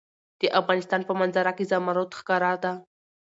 د افغانستان په منظره کې زمرد ښکاره ده.